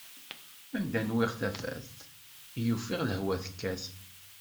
Anda nwiɣ tafat, i ufiɣ lehwa tekkat.